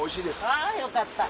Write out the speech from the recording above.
あよかった。